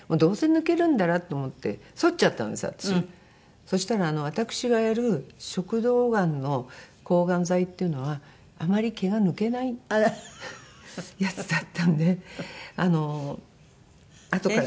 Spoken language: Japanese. そしたら私がやる食道がんの抗がん剤っていうのはあまり毛が抜けないやつだったんであのあとから。